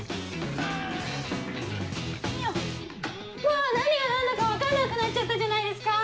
うわ何が何だか分からなくなっちゃったじゃないですか！